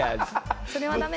それはダメ。